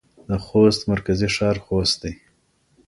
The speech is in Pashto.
د خوست مرکزي ښار خوست دی.